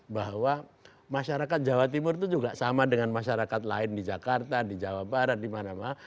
bahwa masyarakat jawa timur itu juga sama dengan masyarakat lain di jakarta di jawa barat di mana mana